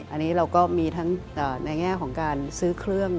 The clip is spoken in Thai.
อันนี้เราก็มีทั้งในแง่ของการซื้อเครื่อง